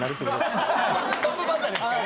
トップバッターですからね。